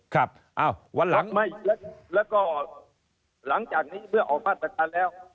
ครับอ้าววันหลังไม่แล้วก็หลังจากนี้เมื่อออกมาตรการแล้ว